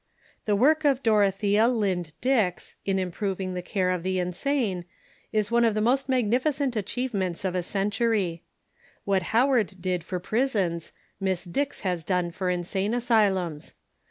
The work of Dorothea Lynde Dix in improving the care of the insane is one of the most magnifi cent achievements of the century. What Howard did for pris ons. Miss Dix has done for insane asylums.